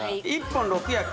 １本６役！